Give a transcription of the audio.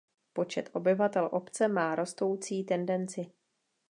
Počet obyvatel obce má rostoucí tendenci.